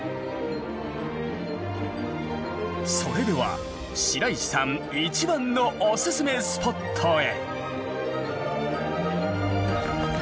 それでは白石さん一番のおすすめスポットへ。